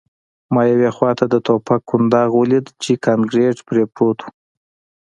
ما یوې خواته د ټوپک کنداغ ولید چې کانکریټ پرې پروت و